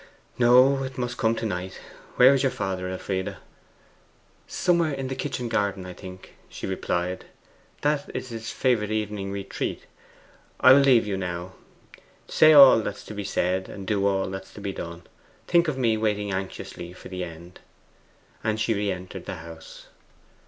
'No; it must come to night. Where is your father, Elfride?' 'Somewhere in the kitchen garden, I think,' she replied. 'That is his favourite evening retreat. I will leave you now. Say all that's to be said do all there is to be done. Think of me waiting anxiously for the end.' And she re entered the house.